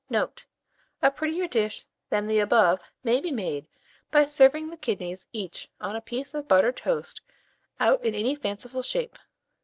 Note. A prettier dish than the above may be made by serving the kidneys each on a piece of buttered toast out in any fanciful shape.